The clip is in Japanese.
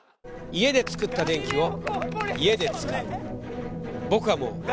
家で作った電気を家で使う。